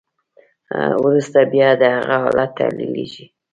وروسته بیا دغه حالت تحلیلیږي.